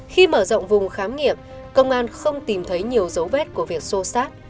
khi mở rộng vùng khám nghiệm công an không tìm thấy nhiều dấu vết của việc xô xát